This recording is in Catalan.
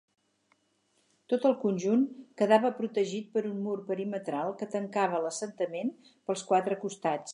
Tot el conjunt quedava protegit per un mur perimetral que tancava l’assentament pels quatre costats.